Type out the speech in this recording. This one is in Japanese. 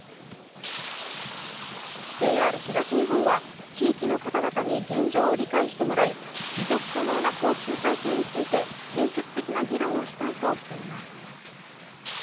ＪＲ東日本は、地域の方々に現状を理解してもらい、持続可能な交通体系について建設的な議論をしたいとしています。